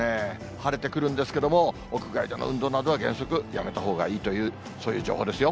晴れてくるんですけども、屋外での運動などは原則やめたほうがいいという、そういう情報ですよ。